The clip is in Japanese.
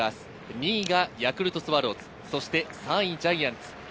２位がヤクルトスワローズ、３位ジャイアンツ。